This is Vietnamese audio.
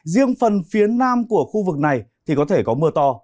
riêng phần phía nam của khu vực này thì có thể có mưa to